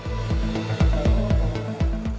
kepala komisi pemilihan umum kpu